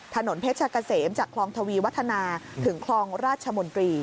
ถนนเพชรกะเสมจากคลองทวีวัฒนาถึงคลองราชมนตรี